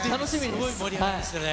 すごい盛り上がりですよね。